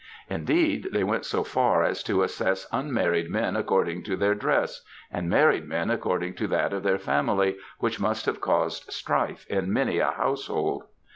Indeed, they went so far as to assess unmarried men according to their dress, and married men according to that of their family, which must have caused strife in many a household.